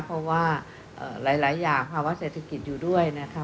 เพราะว่าหลายอย่างภาวะเศรษฐกิจอยู่ด้วยนะคะ